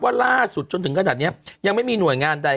ล่าสุดจนถึงขนาดนี้ยังไม่มีหน่วยงานใด